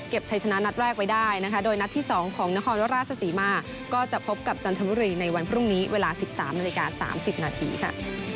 ชัยชนะนัดแรกไว้ได้นะคะโดยนัดที่๒ของนครราชศรีมาก็จะพบกับจันทบุรีในวันพรุ่งนี้เวลา๑๓นาฬิกา๓๐นาทีค่ะ